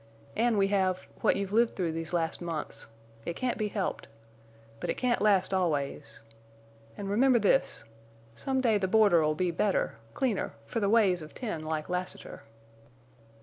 An' we have—what you've lived through these last months. It can't be helped. But it can't last always. An' remember this—some day the border'll be better, cleaner, for the ways of men like Lassiter!"